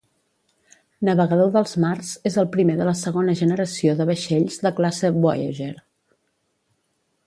"Navegador dels mars" és el primer de la segona generació de vaixells de classe "Voyager".